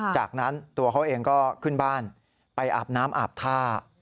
จากนั้นตัวเขาเองก็ขึ้นบ้านไปอาบน้ำอาบท่า